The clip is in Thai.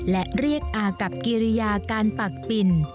และเรียกอากับกิริยาการปักปิ่น